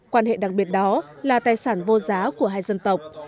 quan hệ đặc biệt đó là tài sản vô giá của hai dân tộc